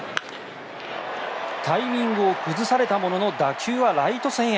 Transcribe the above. タイミングを崩されたものの打球はライト線へ。